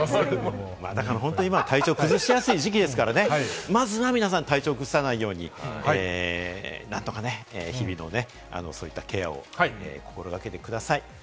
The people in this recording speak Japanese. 本当に今、体調崩しやすい季節ですからね、まずは皆さん、体調を崩さないように日々のケアを心掛けてください。